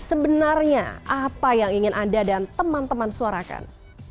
sebenarnya apa yang ingin anda dan teman teman suarakan